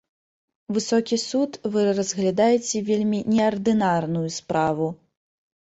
Высокі суд, вы разглядаеце вельмі неардынарную справу.